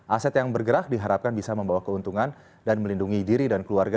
aset yang bergerak diharapkan bisa membawa keuntungan dan melindungi diri dan keluarga